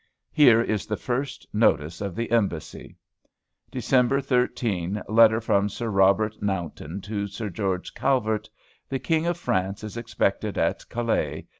Here is the first notice of the embassy: Dec. 13. Letter from Sir Robert Naunton to Sir George Calvert.... "The King of France is expected at Calais.